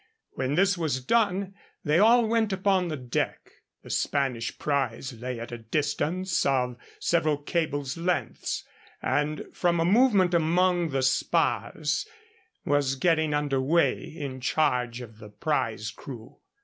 When this was done they all went upon the deck. The Spanish prize lay at a distance of several cables' lengths, and, from a movement among the spars, was getting under way in charge of the prize crew.